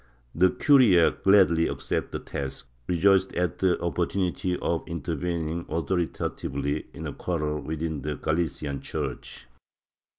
The curia gladly accepted the task, rejoiced at the opportunity of intervening authoritatively in a quarrel within the Galilean Chui'ch.